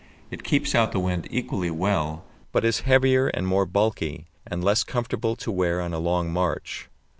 It keeps out the wind equally well, but is heavier and more bulky, and less comfortable to wear on a long march.